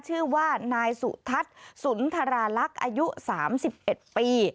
ชื่อว่านายสุทัศน์สุนทราลักษณ์อายุ๓๑ปี